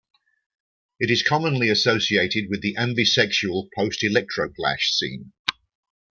It is commonly associated with the ambisexual post-electroclash scene.